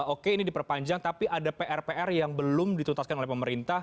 oke ini diperpanjang tapi ada pr pr yang belum dituntaskan oleh pemerintah